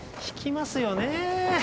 引きますよね。